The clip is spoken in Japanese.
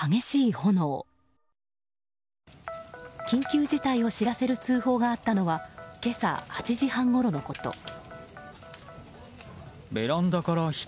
緊急事態を知らせる通報があったのは今朝８時半ごろのこと。